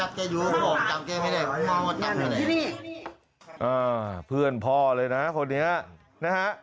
พ่อเพื่อนรักเองเลยนะคนนี้นะฮะ